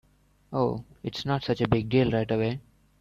Oh, it’s not such a big deal right away.